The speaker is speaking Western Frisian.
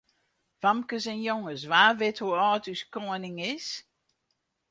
Famkes en jonges, wa wit hoe âld as ús koaning is?